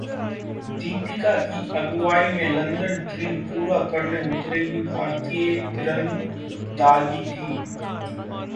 दीपिका की अगुवाई में ‘लंदन ड्रीम’ पूरा करने उतरेगी भारतीय तीरंदाजी टीम